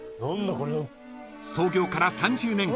［創業から３０年間